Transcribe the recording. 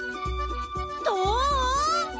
どう？